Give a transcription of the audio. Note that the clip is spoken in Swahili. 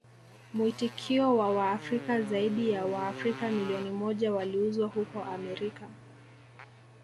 Mwitikio wa Waafrika Zaidi ya Waafrika milioni moja waliuzwa huko Amerika